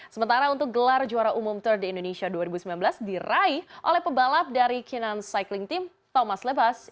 sementara untuk gelar juara umum tour de indonesia dua ribu sembilan belas diraih oleh pebalap dari kinan cycling team thomas lebas